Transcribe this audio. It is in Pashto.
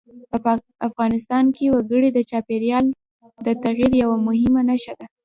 په افغانستان کې وګړي د چاپېریال د تغیر یوه مهمه نښه ده.